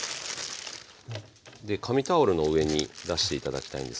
で紙タオルの上に出して頂きたいんです。